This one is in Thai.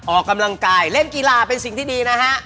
ออกกำลังกายเล่นกีฬาเป็นสิ่งที่ดีนะฮะ